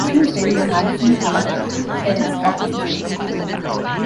Since then, the Madison County Sheriff's Office has taken over.